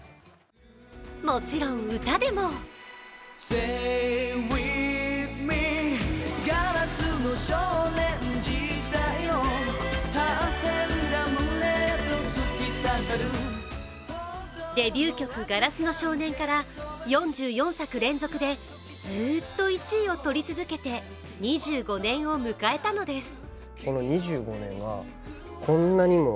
もちろん歌でもデビュー曲「硝子の少年」から４４作連続でずーっと１位を取り続けて２５年を迎えたのです。